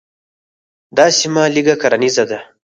دا سیمه لږه غرنیزه ده.